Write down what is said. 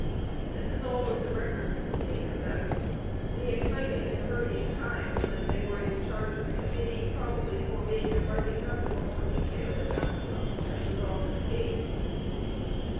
This is all that the records contain of them. The exciting and hurrying times when they were in charge of the Committee probably forbade the writing out of a more detailed account of them, as was often the case.